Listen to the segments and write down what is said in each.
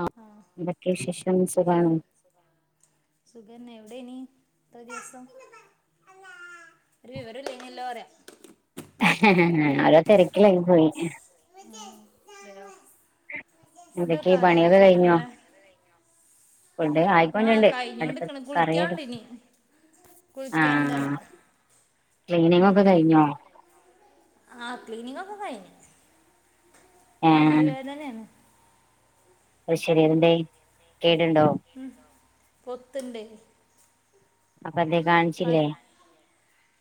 ആഹ് എന്തൊക്കെ വിശേഷം സുഖാണോ? സുഗെന്നേ എവിടെയ്നി ഇത്ര ദിവസം ഒര് വിവരല്ലനല്ലോഅറയ ഓരോതിരക്കിലായ് പോയി. എന്തൊക്കെ ഫുഡൊക്കെആയോ പണിയൊക്കെ കഴിഞ്ഞോ ഉച്ചെക്കുള്ളേ. ഫുഡ് ആഹ് ആയിക്കൊണ്ടിണ്ട് അടുപ്പത്ത് കഴിഞ്ഞോണ്ടിരിക്ക്ണ് കറിയൊക്കെ കുളിക്കാണ്ടയ്നി കുളിക്കാണ്ടറയ ക്ലീനിങ്ങൊക്കെ കയ്ഞ്ഞോ? ആഹ് ക്ലിനിങ്ങ്ഒക്കെ ഏഹ് കയ്ഞ്ഞുപല്ലുവേദനയാണ്. അഹ് ശെരി ഏത്ണ്ടായ്? ഉം പൊത്ത്ണ്ട്. അപ്പന്തേ കാണ്ച്ചില്ലേ?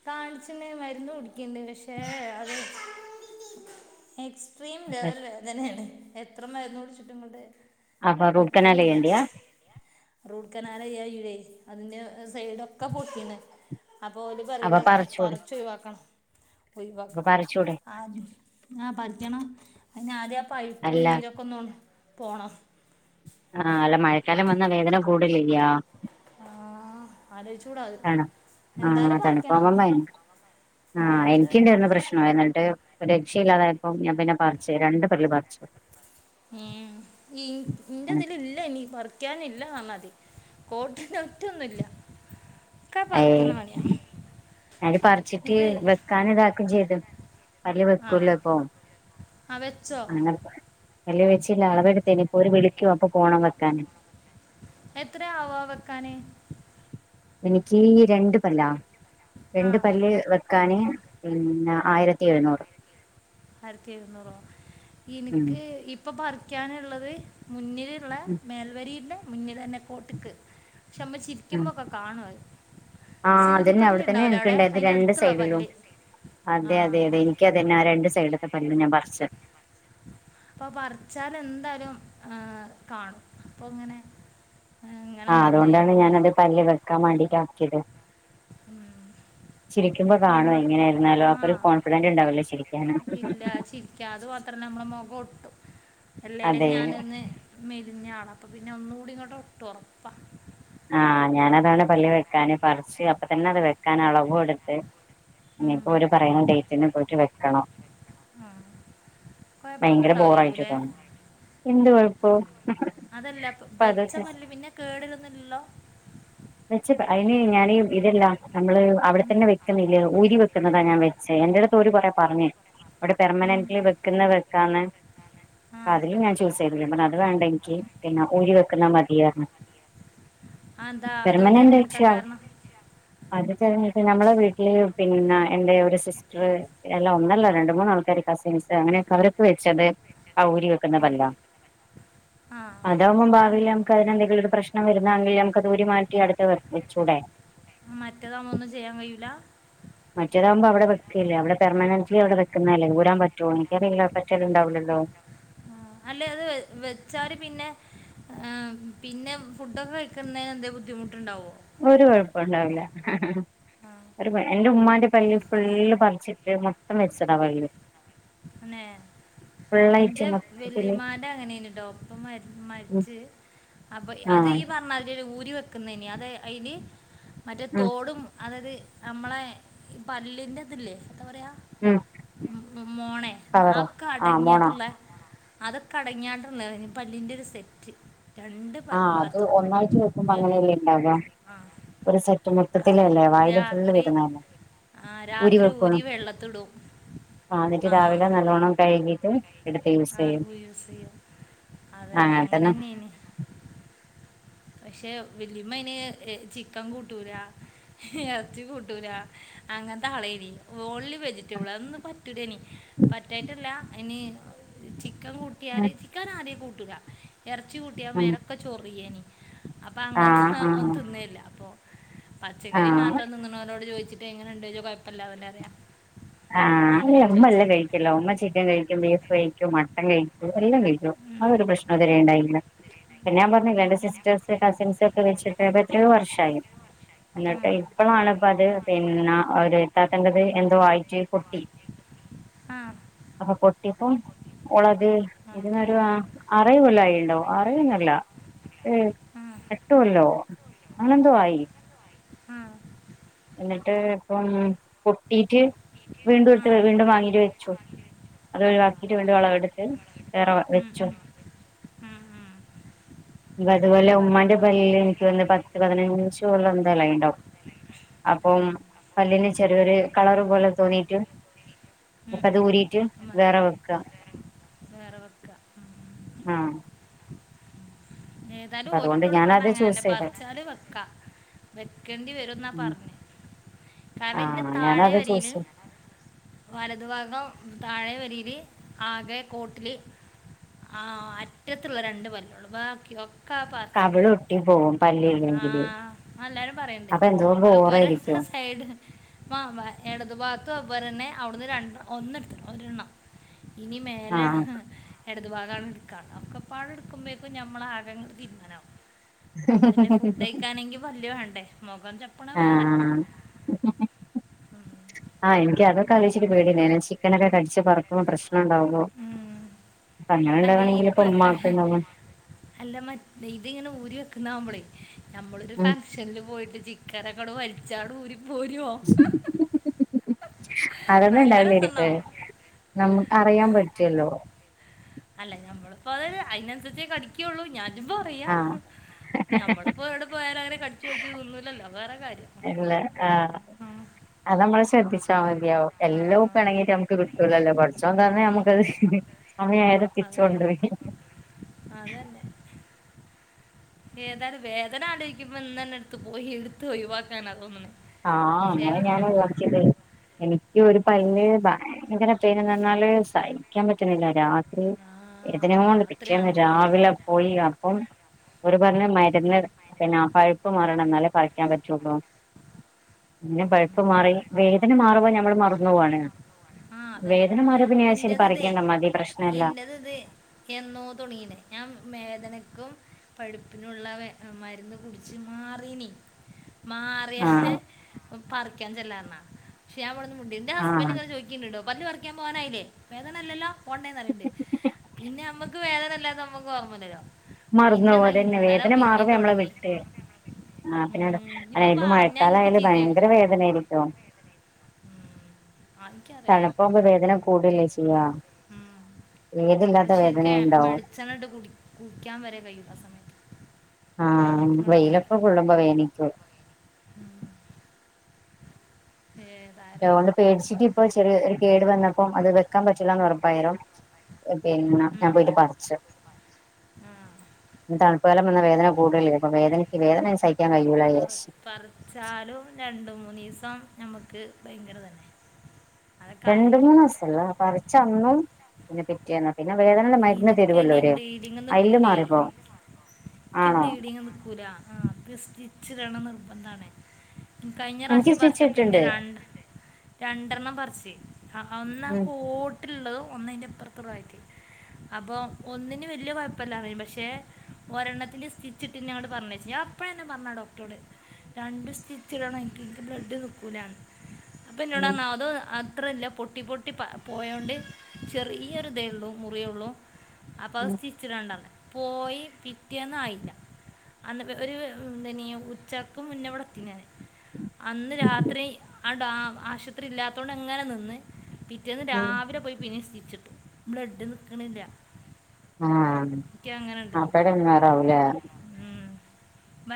കാണച്ച്ണ് മരുന്ന്കുടിക്ക്ണ്ട് പക്ഷേ അത് എക്സ്ട്രീം ലെവെൽ വേദനെയാണ് എത്ര മരുന്ന് കുടിച്ചിട്ടുംഇങ്ങട്ട് അപ്പൊ റൂട്ട്കെനാൽ ചെയ്യെണ്ടിയാ? റൂട്ട് കെനാലെയ്യാൻ അയ്യൂലെയ് അതിന്റെ സൈടൊക്കെ പൊട്ടീണ് അപ്പൊ ഓല് അപ്പൊ പ്പറീണ് പറിച്ചൂടെ പറിച്ച് ഒയ് വാക്കണം ഒയ് അപ്പൊ വാക്കണം പറിച്ചൂടെ ആ ആഹ് പരിക്കണം അയ്ന് ആദ്യ ആ പൈപ്പും അല്ല നീരൊക്കെഒന്ന് പോണം. ആഹ് അല്ല മഴക്കാലം വന്ന വേദന കൂടുല്ലേചെയ്യാ ആഹ് ആലോയ്ച്ചൂടാത് തണു ആഹ് എന്തായാലും പറിക്കണം തണുപ്പാവുമ്പം ഭയ ഭയങ്കരവേദനേ എനിക്കുണ്ടായിരുന്നു പ്രശ്നം ആഹ് എന്നിട്ട് ഒര്രക്ഷയില്ലാതായപ്പോ ഞാൻ പിന്നെ പറിച്ച് രണ്ട്പല്ല്പറിച്ചു. ഈമ് ഇന് ഇന്റേത്ല് ഇല് ഇല്ലനീ പറിക്കാനില്ല പറഞാതി കോട്ടിലൊറ്റൊന്നുല്ല. അയെ എന്നട്ട് പറിച്ചിട്ട് ഇത് വെക്കാൻ ഇതാക്കുംചെയ്തു. പല്ല ആ വെക്കൂല്ലപ്പം ആ വെച്ചോ അങ്ങനെ പല്ല് വെച്ചില്ല അളവെഎടുത്തീനി ഇപ്പോ ഓര് വിളിക്കും അപ്പൊപോണം വെക്കാന് എത്രേ ആവാവെക്കാന് എനിക്കീ രണ്ട്പല്ലാ ആ രണ്ട്പല്ല് ക്കാന് പിന്നെ ആയിരത്തിഎഴുന്നൂറ്. ആയിരത്തിഎഴുന്നൂറോ ഉം ഇൻക്ക് ഇപ്പൊ പറിക്കാനുള്ളത് മുന്നിൽ ന്ന്ലുള്ള ഉം മേൽവരിടെ മുന്നിലെന്നെ കോട്ടക്ക് ക്ഷമ്മചിരി ഉം ക്കിമ്പൊക്കെ കാണു അത്. ആഹ് അതെന്നെ സൂചിപ്പല്ല് അവ്ടെതെന്നെ ഉണ്ടാവില്ല അവിടെ ഇൻക്ക്ണ്ടായത് അതിൻ്റെ രണ്ട് അടുത്തുള്ള സൈഡിലും പല്ല് ആ അതെ, അതെ, അതെ എനി ഇക്കതന്നെ ആരണ്ട് സൈഡ്ത്തെ പല്ലും ഞാൻ പറിച്ചു അപ്പൊ പറിച്ചാൽ എന്തായാലും ഏ കാണും അപ്പൊ ങ്ങനെ ആഹ് അതുകൊണ്ടാണ് ഞാനത് പല്ല് വെക്കാൻ വേണ്ടിട്ട് ആക്കിയത് ഉം ചിരിക്കുമ്പോ കാണോ നമ്മൾ എങ്ങനെയാ യിരുന്നാലോ ആ അപ്പൊ ഒരു കോൺഫിഡന്റ് ഉണ്ടാവല്ലേ ചിരിക്കാന് ഇല്ല ചിരിക്കുക അത് മാത്രല്ല നമ്മളെ മുഖം ഒട്ടും അല്ലേല അതെ ഞാന ഒന്ന് മെലിഞ്ഞാണ് അപ്പം പിന്നെ ഒന്നുകൂടി ഇങ്ങോട്ട് ഒട്ടുംഉറപ്പാണ് ആഹ് ഞാനതാണ് പല്ല് വെക്കാാന് പറിച്ച് അപ്പ തന്നെ അത് വെക്കാൻ അളവു എടുത്ത് ഉം. ഇനിയിപ്പോ ഒരു പറയുന്ന ഡേറ്റിന് പോയിട്ട് വെക്കണം ആ ഭയങ്കര ബോറായിട്ട് കൊഴപ്പൊന്നുണ്ടാവലേക്കൂല്ലേ തോന്നും എന്ത് കൊഴപ്പം അതല്ലപ്പൊ ഇപ്പ അത് വെച്ച പല്ല്പിന്നെ കേടരുന്നില്ലല്ലോ വെച്ച പ അതിന് ഞാന് ഇതല്ല നമ്മള് അവിടെ ഉം. തന്നെ വ വെക്കുന്നില്ല ഊരി വെക്കുന്നതാ ഞാൻ വച്ച് എന്റെടു ഓര് കൊറെ പറഞ്ഞേ ഇവിടെ ഉം. പെർമനന്റ്ലി വെക്കുന്നത് വെക്കാന്ന് ആ അതില് ഞാൻ ചോദി പെർമനൻ്റെ ലിഅത് വേണ്ടെങ്കിൽ പിന്നെ ഊരി വെക്കുന്ന മതിയാണ് ആഎന്താ അത് തിരഞ്ഞെടുക്കാൻ വെച്ച് കാരണം അത് തെരഞ്ഞ്ട്ട് നമ്മളെ വീട്ടില് പിന്നെ എന്റെറെ ഒരു സിസ്റ്റർ എല്ല ഒന്നല്ലോ രണ്ട് മൂന്ന് ആൾക്കാര് കസിൻസ് അങ്ങനെയൊക്കെ അവരൊക്കെ വെച്ചത് ആ ഊരി ആ. വെക്കുന്നപല്ല ആ അതാവുമ്പോ ഭാവിൽ അല്ല നമുക്ക് അതിനെ എന്തെങ്കിലും ഒരു പ്രശ്നം വരും ഇന്നാങ്കിൽ നമുക്ക് ഊരി മാറ്റി അടുത്ത് വച്ചൂടെ മറ്റേതാവുമ്പോ ഒന്നും ചെയ്യാൻ കഴിയൂലാ [inaudible] മറ്റേതാവുമ്പോ അവിടെ വെക്കല്ലേ അവിടെ പെർനന്റ്ലി അവിടെ വെക്കുന്നല്ലേഊരൻ പറ്റുമോ എനിക്ക റിയില്ലപറ്റലുണ്ടാവൂലല്ലോ അല്ലെ അത് വെച്ചാല് പിന്നെ ആ പിന്നെ ഫുഡൊക്കെ കഴിക്കുന്നന് എന്തെങ്കിലും ബുദ്ധിമുട്ടുണ്ടാവോ ഒരു കുഴപ്പ ഉണ്ടാവില്ല ആ, ഒരു എന്റെ ഉമ്മാന്റെ പല്ല് ചോദിക്കാം ഫുള്ള് പറിച്ചി എ മൊത്തം വെച്ചതാ പല്ല് തന്നെ ഫുള്ളായിട്ട് ഇന്റെ മൊത്തത്തില് വെല്ലിമാന്റെ അങ്ങനെ ട്ടോന്ന് ഇപ്പൊ ഉം മരിച്ച് അപ്പൊ അത് ആഹ് ഈ പറഞ്ഞാൽ ഊരി വെക്കുന്നതിന് അത് അതിന് മറ്റേ ഉം തോടും അതത് നമ്മളെ ഈ പല്ലിന്റെ ഇതില്ലേ എന്താ പറയാ ഉം ഉ മോണെ കവറോ ആ മോണോ ആക്കെടങ്ങിയിട്ടുള്ള അതൊക്കെ അടങ്ങിയാണ്ട് ള്ള പല്ലിൻ്റെ ഒരു സെറ്റ് രണ്ട് പ- ആഹ് അത് ബാത്തും ഒന്നായ്റ്റ് വേക്കുമ്പോ അങ്ങനെയല്ലേ ഉണ്ടാാവ ആഹ് ഒരു സെറ്റ് മൊത്തത്തിലല്ലേ വായില് ഫുള്ള് വരുന്നതല്ലേ ആ രാത്രി ഊരി വെള്ളത്തി ഇടും ആ ഇന്നിട്ട് രാവിലെ നല്ലോണം കഴുകിട്ട് എടുത്ത് ആ യൂസിയ്യും യൂസ് ചെയ്യും അങ്ങനെ തന്നെ പക്ഷെ വല്ലിമ്മ അയ്ന്ചിക്കൻ കൂട്ടൂല ഇറച്ചി കുട്ടൂല അങ്ങനത്തെ ആളേണ് ഓൻ വെജിറ്റബിൾ അതൊന്ന് പറ്റൂലനി പറ്റായിട്ടല്ല ഇന് ചിക്കൻ കൂട്ടിയാൽ ചിക്കൻ ആദ്യം കൂട്ടൂല ഇറച്ചി കൂട്ടിയാൽ മേലൊക്കെ ചൊറിയേനി അപ്പൊ അങ്ങനത്തെ ആഹ് ഒന്നും ആഹ് തിന്നേല്ല അപ്പൊ പച്ചക്കറി ആഹ് മാത്രം തിന്നുണരോട് ചോദിച്ചിട്ട എങ്ങനെുണ്ടോ കുഴപ്പില്ലാതന്നെ പറിയാ ആഹ്. അല്ല ഉമ്മ എല്ലാം കഴിക്കല്ലോ ഉമ്മ ചിക്കൻ കഴി ബീഫ് കഴിക്കൂ മട്ടൺ കഴിക്കും എല്ലാം കഴിക്കും ആ ചോദിച്ചു ഒരു പ്രശ്നം ഇത് വരെ ഉണ്ടായി പിന്നെ ഞാൻ പറഞ്ഞില്ല എന്റെ പിന്നെ സിസ്റ്റേഴസ് കസിൻസ് ഒക്കെ വെച്ചിട്ട്പ്പ എത്രയോ വർഷം എന്നിട്ട്, ഉം. ഇപ്പോഴാണ് ഇപ്പോ, അത് പിന്നെ, ഒരു ഇത്താത്തണ്ടത്, എന്തോ, ആയി റ്റ് പൊട്ടി. ആഹ്. ആഹ് പൊട്ടിപ്പ ഓളത് ഓക്കെ ഇതിന്നൊരു ആഹ് ആറേഴ് കൊല്ലയിണ്ടോ അറേഴൊന്നുല്ല ഏഹ് ഉം. ഉം. ഉം. എട്ട് കൊല്ലോ അങ്ങനെന്തൊ ആയി. ആഹ്. എന്നിട്ട് ഇപ്പം പൊട്ടീട്ട് വീണ്ടും ആ. എടുത്ത് ഉം. വീണ്ടും. വാങ്ങീട്ട് വെച്ചു. അത് ഒഴിവാക്കിട്ട് വീണ്ടും അളവെടുത്ത് വേറെ ഉം. വെച്ചു. ഉം. ഉം. അപ്പൊ പിന്നെ അതുപോലെ ഉമ്മാന്റെ കുഴപ്പമുണ്ടാവില്ല പല്ലില് എനിക്ക് തോനന്ന് പത്ത് പതിനെഞ്ചോളം എന്തായാലും ഇണ്ടാവും. ഉം. അപ്പം പല്ലിന് ചെറിയൊരു കളറ് പോലെ തോന്നീട്ട്. ഇപ്പ ഉം. ഉം. അത് ഉം. ഊരിട്ട് വേറെ വെക്കാ. വേറെ വെക്കുക ഉം. ആഹ് ഏഹ്. അപ്പ എന്നാലും ഓര് അതുകൊണ്ട് എന്നോട് പറഞ്ഞ ഞാനത് അങ്ങനെ അല്ല ചൂസ് ചെയ്തെ പറിച്ചാല് വെക്കാ വെക്കേണ്ടി വരും എന്നാ ഉം പറഞ്ഞേ. കാരണം ഇതിന്റെ ആഹ് ഞാനത് ചൂസ് താഴെവരിയില്. ചെയ്ത് വലതുഭാഗം താഴെ വരില് ആകെ കോട്ടിലി ആഹ് അറ്റത്തുള്ള രണ്ട് പല്ലൊള്ളൂ ബാക്കി ഒക്കെ കവിളൊട്ടി പോകും പല്ലിയില്ലെങ്കില്, ആ അപ്പ എന്തോ ബോറായിരിക്കും. ഏഹ് മാ മ ഇടതു ഭാഗത്തും അതുപോലെന്നെ അവ്ടുന്ന് രണ്ട് ഒന്നിട്തിട്ടുള്ളു ഒരെണ്ണം. ഇനി മേലെ ആഹ് എടതു ഭാഗമാണ് എടുക്കാൻ ഉള്ളത് ഒക്കെ പാടെ എടുക്കുമ്പഴേക്കും നമ്മള ആകെ തീരുമാനകും. ഒന്നില്ലേ ഫുഡ് കഴിക്കാനെങ്കി പല്ല് വേണ്ടേ മൊഗം ചപ്പണ വേറെ ആഹ് ഉം. ആഹ് എനിക്ക് അതൊക്കെ ആലോയ്ച്ചിട്ട് പേടിണ്ടെയിന ചിക്കനൊക്കെ കടിച്ച പറക്കുമ്പോ പ്രശ്നം ഉണ്ടാവുമോ ഉം. അങ്ങനെ അല്ല ഈ ഉണ്ടാവണമെങ്കിൽ ഇപ്പ പ- ഉമ്മാക്ക ഉണ്ടാവും അല്ല മറ്റ ഇത് ഇങ്ങനെ ഊരി വെക്കുന്നാ അവുമ്പോളെ നമ്മളരു ഉം ഫംഗഷനിൽ പോയിട്ട് ചി ക്കനൊക്കെ വലിച്ചാണ്ട്, ഊരി പോരോ? അതൊന്നും നല്ല ഉണ്ടാവില്ലേരിക്കു രസമുണ്ടാവും നമക്ക് അറിയാൻ പറ്റല്ലോ. അല്ല ഞമ്മളിപ്പോ അത് അതിന് അനുസരിച്ചേ കടിക്കുള്ളൂ ഞാനിപ പറയാ. ആഹ് ഞമ്മളപ്പോ എവിടെ പോയാലും അങ്ങനെ കടിച്ചു വലിച്ചു തിന്നൂല്ലല്ലോ അത് വേറെ കാര്യം. ഇല്ല ആഹ്. ഉം. അതമ്മള് ശ്രദ്ധിച്ചാമതിയാവും ആ. എല്ലാംപ്പൊ എണങ്ങിട്ട് നമുക്ക് കിട്ടൂലല്ലോ പടച്ചോൻതന്ന ഒന്ന് നമുക്കത് സമയായത് തിരിച്ചു അത് തന്നെ. കൊണ്ടുപോവേം ചെയ്യും അതന്നെ. ഏതായാലും വേദന ആലോയ്ക്കുമ്പോ ഇന്ന്ന്നെ എടുത്ത് പോയി എടുത്ത് ഒഴിവാക്കാനാ തോന്നുന്നേ.. ആഹ് അങ്ങനെ ഞാന് [unintelligible] എനിക്ക് ഒരു പല്ല് ഭയങ്കര [unintelligible] ന്നാല് സഹിക്കാൻ പറ്റുന്നില്ല രാത്രി ആ, വേദന കൊണ്ട് പിറ്റേന്ന് രാത്രിയാണ് ഇതിൻ്റെ രാവിലെ പോയി അപ്പം ഒര് പറഞ് മരുന്ന് പിന്നെ പഴുപ്പ് മറ എന്നാലേ കുറക്കാൻ പറ്റുള്ളൂ. പിന്നെ പഴുപ്പ് ഉം. മാറി വേദന മാറുമ്പോ ഞമ്മള് മറന്നു പോവാണ്. ആഹ് അതന്നെ വേദന മാറിയ പിന്നെ ശരി ഇന്റെത് ഇതേയ് പറിക്കണ്ട മതി പ്രശ്നല്ല ഇന്റത് ഇതേയ്- എന്നോ തുടങ്ങീണ് ഞാൻ വേദനക്കും പഴുപ്പിനുള്ള മരുന്ന് കുടിച്ച് മാറീനി മാറിയന്ന് ആഹ് പറിക്കാൻ ചെല്ലാറഞ്ഞ പക്ഷെ ഞൻ അവിടെന്ന് മു ന്റെ ആഹ് ഹസ്ബന്റിങ്ങനെ ചോയ്ക്കിണ്ട് ട്ടോ പല്ല് പറിക്കാൻ പോവാനായില്ലേ വേദനില്ലാലോ പോണ്ടെന്ന് പറയണ്ട് പിന്നെ നമ്മുക്ക് വേദനല്ലാത്ത നമ്മക്ക് [unintelligible] മറന്നു പോവും പിന്നെതാ അതന്നെ ഇന്നലെ വേദന പിന്നേമ് മാറുമ്പോ നമ്മള് തൊടങ്ങി. വിട്ട് ആഹ് പിന്നെ ഉം അല്ല ഇപ്പൊ പറഞ്ഞാ എനിക്ക് മഴക്കാലയാല് ഭയങ്കര ചീത്തേക്കും. വേദനയായിരിക്കും ആഹ് എനിക്കറിയ അപ്പൊ വേതന കൂടല്ലേ ചെയ്യ ഉം. ഏതില്ലാ ശരിക്കും വെളിച്ചെണ്ണയിട്ട് കുടി കുടിക്കാൻ വരെ കഴിയും ആ സമയത്ത്. ആഹ് തണുപ്പും കൊണ്ട് വെയിലൊക്കെ ഇറങ്ങിയിട്ട് കൊള്ളുമ്പോ വേനിക്കും. ഏഹ്. അതുകൊണ്ട് പേടിച്ചിട്ട് ഇപ്പ ചെറിയ ഒരു കേട് വന്നപ്പോം അത് വെക്കാൻ പറ്റില്ലാന്ന് ഉറപ്പായരം. ഓഹ പിന്ന ഞാൻ ഉം. പോയിട്ട് പറിച്ച. ആ. പിന്നെ തണുപ്പ് കാലം വന്ന വേദന കൂടല്ലെ അപ്പ വേദനയ്ക്ക് വേദന സഹിക്കാൻ കഴയൂല യേച്ച്. ച്ചാലും രണ്ടും മൂന്നീസം നമുക്ക് ഭയങ്കര തന്നെ. അതൊക്കെ രണ്ട് മൂന്ന് ആലോചിക്കുമ്പോഴാണ് ദിവസല്ല പറിച്ച അന്നും പിന്നെ പിറ്റേന്ന്. പിന്നെ വേദനള്ള മരുന്ന് എനിക്ക് ഇനി തരുവല്ലോര് ബ്ലീഡിങ് അയില് നിൽക്കൂലേ മാറിപ്പോവും. എനിക്ക് ആണോ ബ്ലീഡിങ് നിക്കൂല ആ സ്റ്റിച്ചിടണ നിർബന്ധാണെ. കഴിഞ്ഞ എനിക്ക് പ്രാവശ്യം സ്റ്റിച്ച് പറച്ചപ്പൊ എന്റെ ഇട്ടിണ്ട് രണ്ട് രണ്ടെണ്ണം പറച്ച്. ആഹ ആഹ ഒന്നാ ഉം പോട്ടിലുള്ളതും ഒന്ന് അയിന്റെപ്പുറത്ത്റൂപായിറ്റ്. അപ്പൊ ഒന്നിന് വെല്യ കുഴപ്പല്ലാ പക്ഷെ, ഒരെണ്ണത്തിൽ സ്റ്റിച്ചിട്ട്ന്ന അങ്ങോട് പറഞ്ഞേച് ഞാൻ അപ്പ എന്നെ പറഞ്ഞാ ഡോക്ടറോട്. രണ്ട് സ്റ്റിച് ഇടണം എനിക്ക് എനിക്ക് ബ്ലഡ് നിക്കൂലാന്ന് അപ്പൊ ഉം എന്നോടർഞ് അത് ആ മാത്രല്ല പൊട്ടി പൊട്ടി പ പോയോണ്ട് ചെറിയൊരി ഇതേ ഉള്ളൂ മുറിയള്ളൂ. അപ്പൊ അത് ഉം സ്റ്റിച് ഇടണ്ടാന്ന് പോയി പിറ്റിയന്ന് ആയില്ല. അന്ന് ഒരു എന്തിന് ഉച്ചക്ക് മുന്നേവ്ടെ എത്തി ഞാൻ. അന്ന് രാത്രി ആ ഡ ആശുത്രി ഇല്ലാത്തൊണ്ട് അങ്ങനെ നിന്ന് പി പിറ്റേന്ന് ഉം രാവിലെ പോയി പിന്നെയും സ്റ്റിച്ചിട്ടു ബ്ലഡ് നിക്കണില്ല. ആഹ് ആ അപ്പ എടങ്ങേരാവൂലെ? ഉം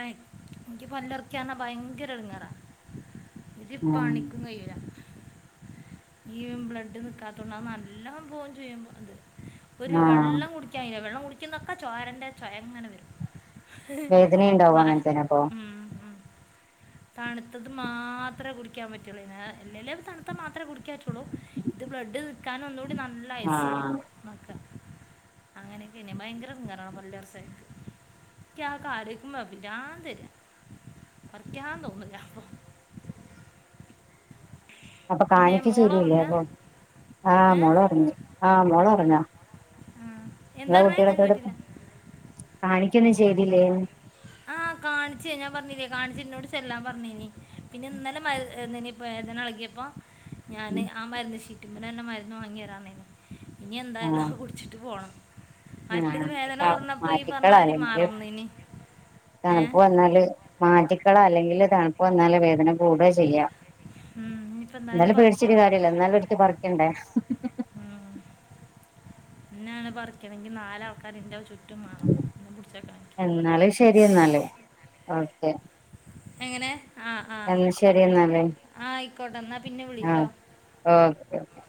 എനിക്ക് പല്ലറിക്കാന്ന ഭയങ്കര എട്ങ്ങേറാ. ഉം ഒരിപ്പണിക്കും കയ്യൂല. ഈ ബ്ലഡ് നിക്കാത്തോണ്ട് നല്ല പോചെയ്യും അത്. ഒരു ആഹ് വെള്ളം കുടിക്കായില വെള്ളം കുടിക്കുന്നൊക്കെ ചോരന്റെ ചൊയ അങ്ങനെ വരും. വേദനയുണ്ടാവോ വാ- അങ്ങനത്തന്നെപ്പൊ. ഉം, ഉം. തണുത്തത് മാത്രെ കുടിക്കാൻ പറ്റുള്ളൂ എല്ലല്ലേ തണു ത്ത മാത്രേ കുടിക്കാറ്റുള്ളൂ ഇത് ബ്ലഡ് നിൽക്കാൻ ഒന്നൂടി നല്ല ആഹ് ഐസ്സുള്ളതും. ക്ക അങ്ങനെയൊക്കെന്നെ ഭയങ്കര ഇടങ്ങേറാ പല്ല് പർച്ചല്. ന്ക്ക് ആ കാര്യം കേക്കുമ്പ പിരാന്ത് വര്യ. പറിക്കാൻ തോന്നൂല അപ്പൊ. [unintelligible] അപ്പൊ പിന്നെ കാണിക്ക ശരില്ലേ മോളുറങ്ങ അപ്പൊ ആഹ് ഏ മോള് ഒറങ്ങി ആഹ് മോള് ഒറങ്ങാ. ആ. ഇങ്ങളെ എന്താ പറഞ്ഞേ ഞാൻ കുട്ടികളൊക്കെവിടെ? കേട്ടില്ല കാണിക്കൊന്നും ചെയ്തില്ലേ? ആഹ് കാണിച്ചേ ഞാ പറഞ്ഞില്ലേ കാണിച്ച ഇന്നോട് ചെല്ലാൻ പറഞ്ഞനി പിന്നെ ഇന്നാലെ മ എഹ് വേദന ഇളകിയപ്പോ ഞാൻ ആ മരുന്ന് ഷീറ്റിമ്മലെന്നെ മരുന്ന് വാങ്ങി വരാൻ പറഞ്ഞിര്ന്നു. ഇനി എന്തായാലും ആ കുടിച്ചിട്ട് പോണം. ആഹ് മാറ്റിക്കള അല്ലെങ്കില് മാറുന്നിനി ഏ തണുപ്പ വന്നാല്. മാറ്റിക്കള അല്ലെങ്കിൽ തണുപ്പ് വന്നാല വേധന കൂട ചെയ്യാ ഉം, ഇനിയിപ്പോൾ എന്തായാലും എന്നാലും പേടിച്ചൊരു പറിക്കണം കാര്യല്ല എന്നാലും ഒരിക്ക പറിക്കണ്ടേ? ഉം ഇന്നാണ് പറിക്കണെങ്കിൽ നാലാൾക്കാർ എന്റെ ചു റ്റും വാണം എന്നെ പിടിച്ച് വെക്കാൻ. എന്നാല് ശരി എന്നാല് ഓക്കേ. എങ്ങനെ ആഹ് ആഹ് ശരി എന്നാല് ആയിക്കോട്ടെ എന്നാ പിന്നെ ആ വിളീട്ടോ. Okay okay.